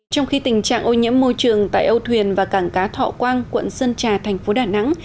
trong khi tình trạng ô nhiễm môi trường tại âu thuyền và cảng cá thọ quang quận sơn trà thành phố đà nẵng